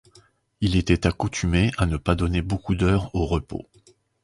Il était accoutumé à ne pas donner beaucoup d'heures au repos.